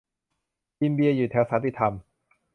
กินเบียร์อยู่แถวสันติธรรม